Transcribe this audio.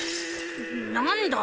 何だ？